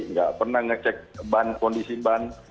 nggak pernah ngecek ban kondisi ban